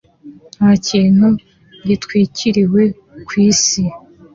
nta kintu gitwikiriwe ku isi